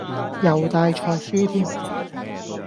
又帶錯書添